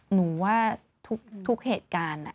หนูว่าทุกเหตุการณ์